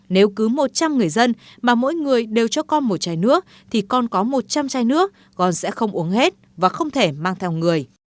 nếu cứ một trăm linh người dân mà mỗi người đều cho con một chai nước thì con có một trăm linh chai nước con sẽ không uống hết và không thể mang theo người